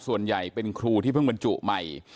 ส่วนใหญ่เป็นครูที่เพิ่งบรรจุใหม่